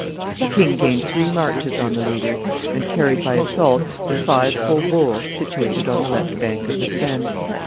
The king gained three marches on the Leaguers, and carried by assault the five faubourgs situated on the left bank of the Seine.